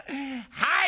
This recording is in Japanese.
はい！